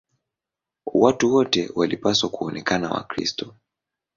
Watu wote walipaswa kuonekana Wakristo.